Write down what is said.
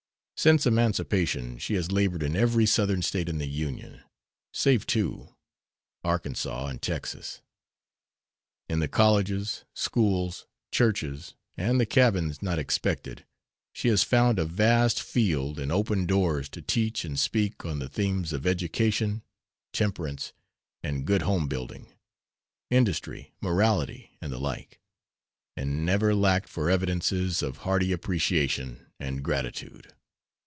Since emancipation she has labored in every Southern State in the Union, save two, Arkansas and Texas; in the colleges, schools, churches, and the cabins not excepted, she has found a vast field and open doors to teach and speak on the themes of education, temperance, and good home building, industry, morality, and the like, and never lacked for evidences of hearty appreciation and gratitude.